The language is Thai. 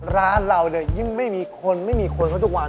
ร้านเราเนี่ยยิ่งไม่มีคนไม่มีคนเขาทุกวัน